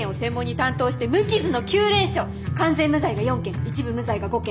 完全無罪が４件一部無罪が５件。